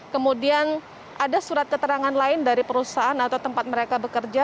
kemudian ada surat keterangan lain dari perusahaan atau tempat mereka bekerja